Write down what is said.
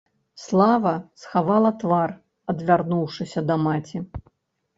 Слава схавала твар, адвярнуўшыся да маці.